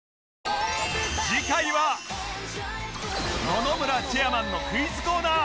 野々村チェアマンのクイズコーナー